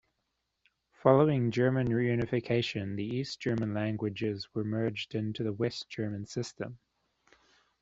Following German reunification, the East German leagues were merged into the West German system.